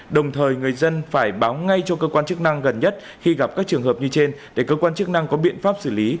để cơ quan chức năng có biện pháp xử lý